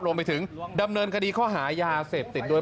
รวมไปถึงดำเนินคดีข้อหายาเสพติดด้วย